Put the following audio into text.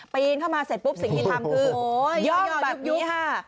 ปีนเข้ามาเสร็จปุ๊บสิ่งที่ทำคือย่อแบบนี้ค่ะ